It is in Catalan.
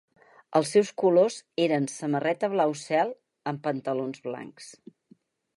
Els seus colors eren samarreta blau cel, amb pantalons blancs.